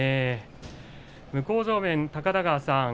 向正面、高田川さん